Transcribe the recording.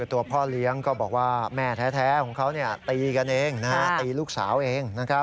ตัวพ่อเลี้ยงก็บอกว่าแม่แท้ของเขาตีกันเองตีลูกสาวเอง